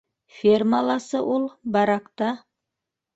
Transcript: Фермаласы ул, баракта.